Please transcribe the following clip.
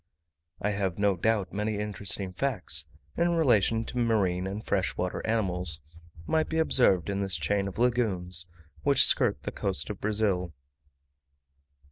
I have no doubt many interesting facts, in relation to marine and fresh water animals, might be observed in this chain of lagoons, which skirt the coast of Brazil.